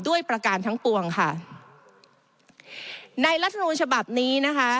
ประการทั้งปวงค่ะในรัฐมนูลฉบับนี้นะคะ